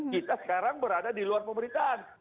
kita sekarang berada di luar pemerintahan